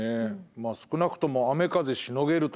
まあ少なくとも雨風しのげるとかね